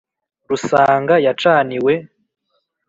Rusanga* yacaniwe,